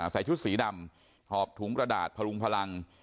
ใส่ชุดสีดำหอบถุงกระดาษพลุงพลัง